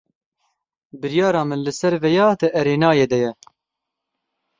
Biryara min li ser vêya di erênayê de ye.